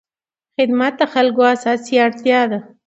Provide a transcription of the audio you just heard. خدمت د خلکو اساسي اړتیا ده.